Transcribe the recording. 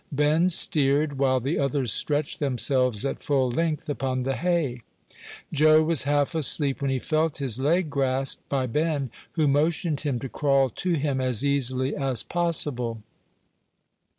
Ben steered, while the others stretched themselves at full length upon the hay. Joe was half asleep, when he felt his leg grasped by Ben, who motioned him to crawl to him as easily as possible.